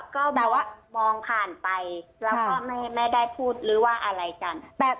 ก็แบบว่ามองผ่านไปแล้วก็ไม่ได้พูดหรือว่าอะไรกัน